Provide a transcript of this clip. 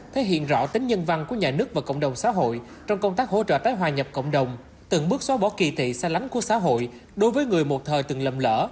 thể hiện rõ tính nhân văn của nhà nước và cộng đồng xã hội trong công tác hỗ trợ tái hòa nhập cộng đồng từng bước xóa bỏ kỳ thị sa lánh của xã hội đối với người một thời từng lầm lỡ